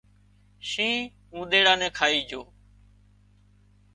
شينهن اونۮيڙا نين کائي جھو